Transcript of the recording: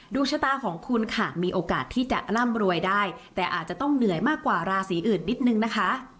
ดวงชะตาของคุณค่ะมีโอกาสที่จะร่ำรวยได้แต่อาจจะต้องเหนื่อยมากกว่าราศีอื่นนิดนึงนะคะ